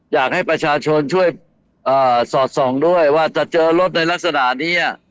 อยากให้ประชาชนช่วยสอดส่องด้วยว่าจะเจอรถในลักษณะนี้